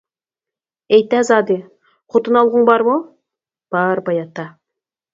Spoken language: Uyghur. ئېيتە زادى، خوتۇن ئالغۇڭ بارمۇ؟ بار باي ئاتا.